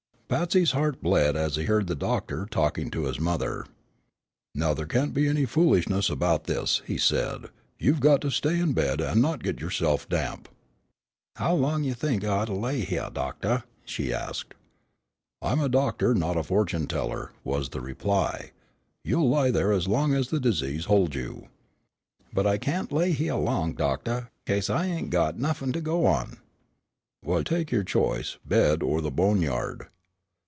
Patsy's heart bled as he heard the doctor talking to his mother: "Now, there can't be any foolishness about this," he said. "You've got to stay in bed and not get yourself damp." "How long you think I got to lay hyeah, doctah?" she asked. "I'm a doctor, not a fortune teller," was the reply. "You'll lie there as long as the disease holds you." "But I can't lay hyeah long, doctah, case I ain't got nuffin' to go on." "Well, take your choice: the bed or the boneyard."